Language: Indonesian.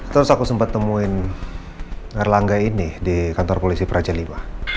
terus aku sempat nemuin erlangga ini di kantor polisi praja lima